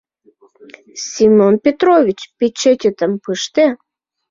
Семен Петрович, печететым пыште!